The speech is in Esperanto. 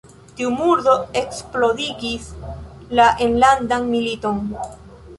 Tiu murdo eksplodigis la enlandan militon.